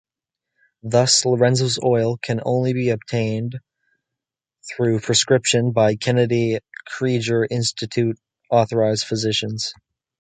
Thus, Lorenzo's oil can be obtained only through prescription by Kennedy Krieger Institute-authorized physicians.